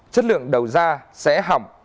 chất lượng đầu ra sẽ hỏng